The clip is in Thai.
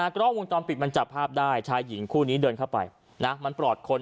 กล้องวงจรปิดมันจับภาพได้ชายหญิงคู่นี้เดินเข้าไปมันปลอดคน